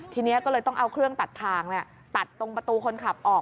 ทีนี้ก็เลยต้องเอาเครื่องตัดทางตัดตรงประตูคนขับออก